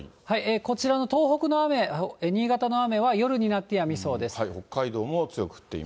こちらの東北の雨、新潟の雨は夜になってやみそうです。